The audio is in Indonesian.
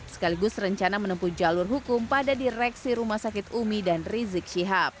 sekaligus rencana menempuh jalur hukum pada direksilis